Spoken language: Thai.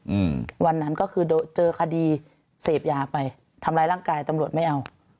อืมวันนั้นก็คือโดนเจอคดีเสพยาไปทำร้ายร่างกายตำรวจไม่เอา